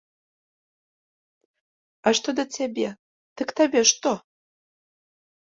А што да цябе, дык табе што?